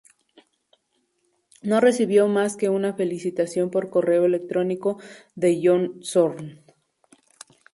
No recibió más que una felicitación por correo electrónico de John Zorn.